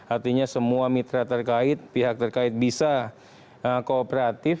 artinya semua mitra terkait pihak terkait bisa kooperatif